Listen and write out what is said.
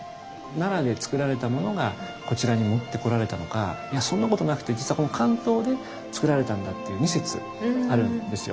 奈良でつくられたものがこちらに持ってこられたのかいやそんなことなくて実はこの関東でつくられたんだっていう２説あるんですよ。